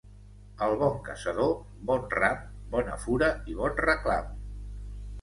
El bon caçador, bon ram, bona fura i bon reclam.